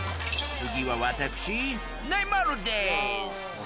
次は私ネイマールです。